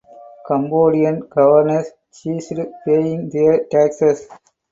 Cambodian governors ceased paying their taxes.